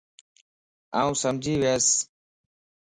آن سمجھي وياس